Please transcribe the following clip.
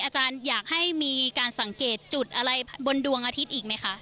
อาจารย์อยากให้มีการสังเกตจุดอะไรบนดวงอาทิตย์อีกไหมคะ